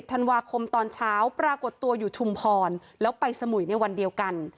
ธันวาคมตอนเช้าปรากฏตัวอยู่ชุมพรแล้วไปสมุยในวันเดียวกัน